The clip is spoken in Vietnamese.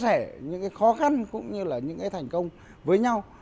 chia sẻ những khó khăn cũng như là những thành công với nhau